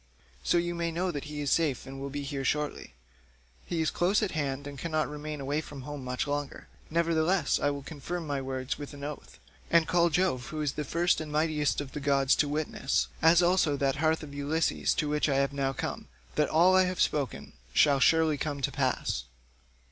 So you may know he is safe and will be here shortly; he is close at hand and cannot remain away from home much longer; nevertheless I will confirm my words with an oath, and call Jove who is the first and mightiest of all gods to witness, as also that hearth of Ulysses to which I have now come, that all I have spoken shall surely come to pass.